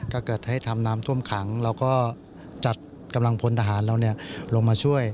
ก็เกิดให้ทำน้ำท่วมขังเราก็จัดกำลังพลทหารเราลงมาช่วย